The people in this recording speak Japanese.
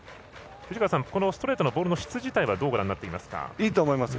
藤川さん、このストレートの質自体はどうご覧になっていますか？